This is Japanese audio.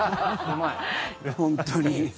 本当に。